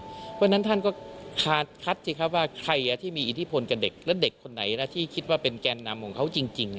เพราะฉะนั้นท่านก็คาดสิครับว่าใครที่มีอิทธิพลกับเด็กและเด็กคนไหนที่คิดว่าเป็นแกนนำของเขาจริง